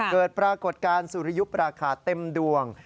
เกิดปรากฏการณ์สุริยุปราคาเต็มดวง